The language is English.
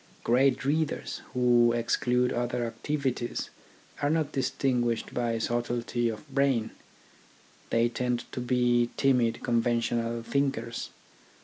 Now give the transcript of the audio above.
Great readers, who exclude other activities, are not distinguished by subtlety of brain. They tend to be timid conventional thinkers.